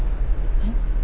えっ？